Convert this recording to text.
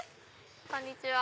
こんにちは。